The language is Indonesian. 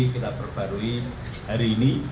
kita perbarui hari ini